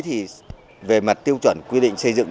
thì về mặt tiêu chuẩn quy định xây dựng